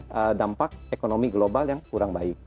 dan itu akan membuat dampak ekonomi global yang kurang baik